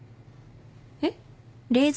えっ？